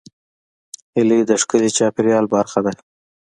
هیلۍ د ښکلي چاپېریال برخه ده